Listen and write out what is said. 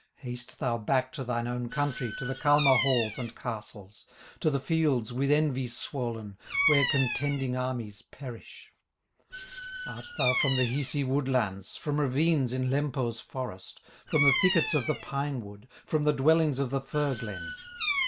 Haste thou back to thine own country, To the Kalma halls and castles, To the fields with envy swollen, Where contending armies perish. "Art thou from the Hisi woodlands, From ravines in Lempo's forest, From the thickets of the pine wood, From the dwellings of the fir glen?